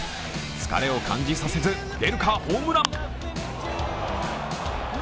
疲れを感じさせず、出るかホームラン。